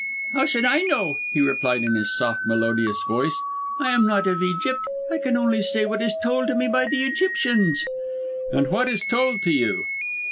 "How should I know?" he replied in his soft, melodious voice. "I am not of Egypt; I can only say what is told to me by the Egyptians." "And what is told to you?"